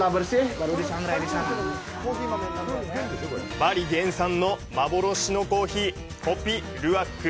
バリ原産の幻のコーヒーコピ・ルアック。